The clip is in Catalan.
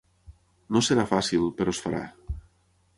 No serà fàcil, però es farà.